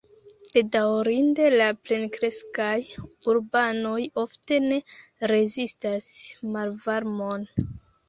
Bedaŭrinde la plenkreskaj urbanoj ofte ne rezistas malvarmon.